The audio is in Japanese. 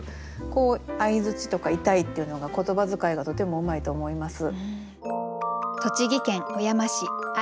こう「相」とか「痛い」っていうのが言葉遣いがとてもうまいと思います。